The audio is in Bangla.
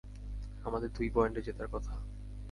আমাদের দুই পয়েন্টে জেতার কথা।